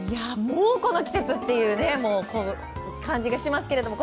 もうこの季節という感じがしますけれども。